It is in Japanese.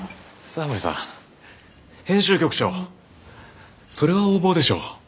笹森さん編集局長それは横暴でしょう。